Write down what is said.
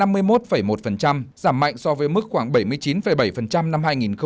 giảm mạnh so với mức khoảng bảy mươi chín bảy năm hai nghìn một mươi bảy